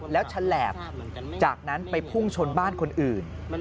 แล้วฉลาบจากนั้นไปพุ่งชนบ้านคนอื่น